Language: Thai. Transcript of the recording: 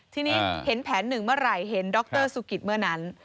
ทีนี้เห็นแผนหนึ่งเมื่อไหร่เห็นดรสุกิตเมื่อนั้น